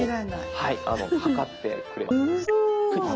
はい。